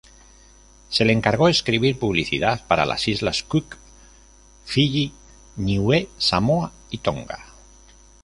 Se le encargó escribir publicidad para las Islas Cook, Fiyi, Niue, Samoa y Tonga.